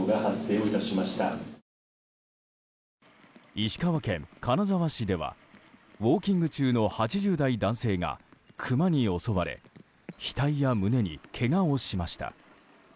石川県金沢市ではウォーキング中の８０代男性がクマに襲われ額や胸にけがをしました。